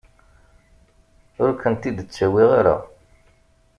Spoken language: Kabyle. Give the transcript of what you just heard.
Ur kent-id-ttawiɣ ara.